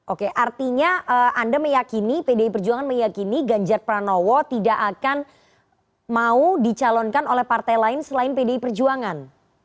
oke artinya anda meyakini pdi perjuangan meyakini ganjar pranowo tidak akan mau dicalonkan oleh partai lain selain pdi perjuangan